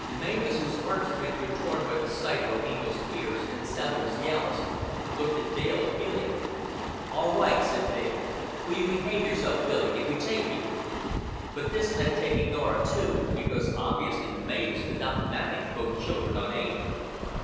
Mavis, whose heartstrings were torn by the sight of her angel's tears and the sound of his yells, looked at Dale appealingly. "All right," said Dale. "Will you behave yourself, Billy, if we take you?" But this meant taking Norah too, because obviously Mavis could not manage both children unaided.